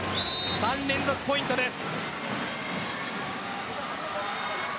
３連続ポイントです。